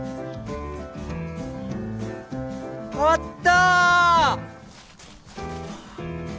あった！